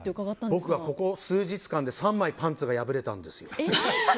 僕はここ数日間で３枚パンツが破れたんですよ。